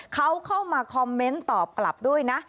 เขาเข้ามาคอมเมนต์ตอบกลับด้วยนะ